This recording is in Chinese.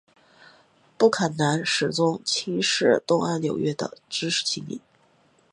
布坎南始终轻视东岸纽约的知识菁英。